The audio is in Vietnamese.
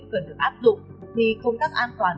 cần được áp dụng thì công tác an toàn